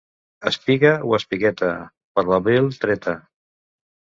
Espiga o espigueta, per l'abril treta.